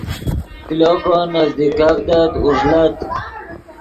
کلو کو نزیکڤدت اوݱڑت